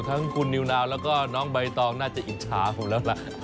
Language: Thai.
ทั้งคุณนิวนาวแล้วก็น้องใบตองน่าจะอิจฉาผมแล้วล่ะ